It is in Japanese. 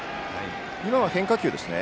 今は変化球でしたね。